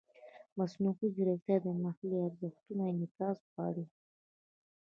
مصنوعي ځیرکتیا د محلي ارزښتونو انعکاس غواړي.